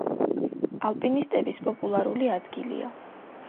ალპინისტების პოპულარული ადგილია.